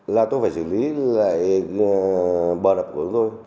là tôi phải xử lý lại bờ đập của chúng tôi